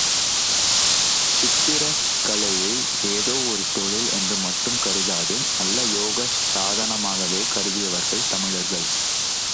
சித்திரக் கலையை ஏதோ ஒரு தொழில் என்று மட்டும் கருதாது நல்ல யோக சாதனமாகவே கருதியவர்கள் தமிழர்கள்.